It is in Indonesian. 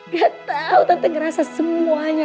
gatau tante ngerasa semuanya